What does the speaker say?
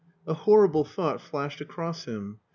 A horrible thought flashed across him.